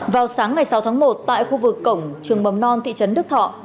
vào sáng ngày sáu tháng một tại khu vực cổng trường mầm non thị trấn đức thọ